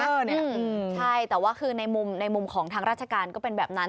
ใช่แต่ว่าคือในมุมในมุมของทางราชการก็เป็นแบบนั้น